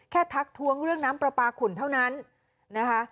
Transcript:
ทักทวงเรื่องน้ำปลาปลาขุ่นเท่านั้นนะคะ